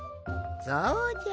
そうじゃ。